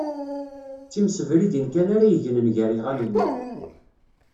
D timsebridin kan ara yegnen gar iɣallen-iw